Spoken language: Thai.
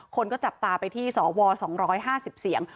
คนก็จับตาไปที่สว๒๕๐เสียง